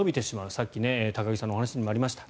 さっき高木さんのお話がありました。